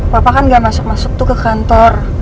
papa kan gak masuk masuk tuh ke kantor